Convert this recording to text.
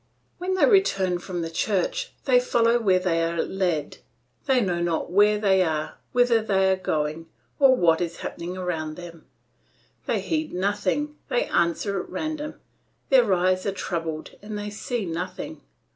When they return from the church, they follow where they are led; they know not where they are, whither they are going, or what is happening around them. They heed nothing, they answer at random; their eyes are troubled and they see nothing.